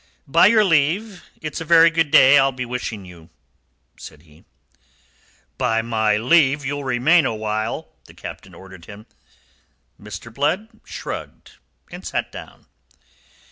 "By your leave, it's a very good day I'll be wishing you," said he. "By my leave, you'll remain awhile," the Captain ordered him. Mr. Blood shrugged, and sat down.